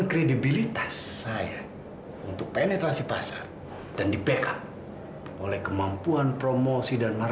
mit diminum boleh ya